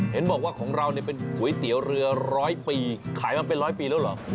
เห็นบอกว่าของเราเป็นก๋วยเตี๋ยวเรือร้อยปีขายมาเป็นร้อยปีแล้วเหรอ